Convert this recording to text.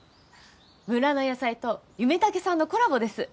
村の野菜と夢竹さんのコラボです。